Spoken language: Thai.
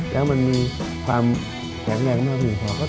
แล้วมันมีความแข็งแรงมากเพียงพอ